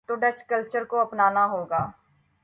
تو Dutch culture کو اپنا نا ہو گا۔